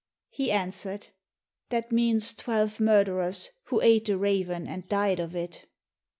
He answered, "That means twelve murderers, who ate the raven and died of it."